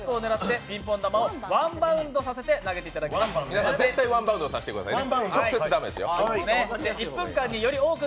皆さん絶対１バウンドさせてくださいね。